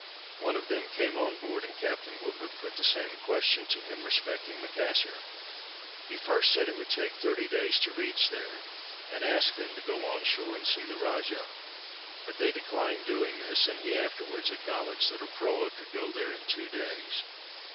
One of them came on board and Captain Woodward put the same question to him respecting Macassar. He first said it would take thirty days to reach there and asked them to go on shore and see the Rajah. But they declined doing this, and he afterwards acknowledged that a proa could go there in two days.